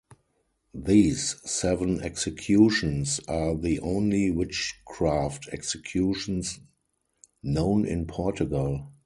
These seven executions are the only witchcraft executions known in Portugal.